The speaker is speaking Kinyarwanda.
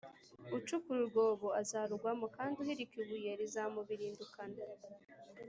ucukura urwobo azarugwamo, kandi uhirika ibuye rizamubirindukana